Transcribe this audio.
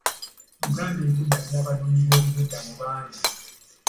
Uganda ebudamya abanoonyiboobubuddamu bangi.